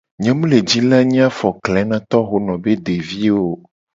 Nye mu le ji la nyi afokle na tohono be deviwo o.